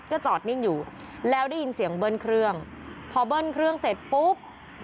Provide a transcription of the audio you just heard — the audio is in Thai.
ก็จอดนิ่งอยู่แล้วได้ยินเสียงเบิ้ลเครื่องพอเบิ้ลเครื่องเสร็จปุ๊บ